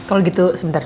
kalau gitu sebentar